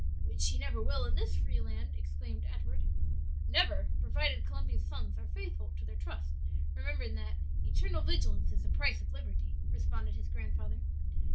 "Which she never will in this free land," exclaimed Edward. "Never, provided Columbia's sons are faithful to their trust; remembering that 'eternal vigilance is the price of liberty,'" responded his grandfather.